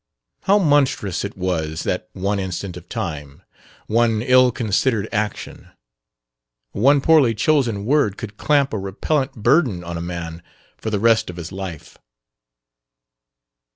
How monstrous it was that one instant of time, one ill considered action, one poorly chosen word could clamp a repellent burden on a man for the rest of his life!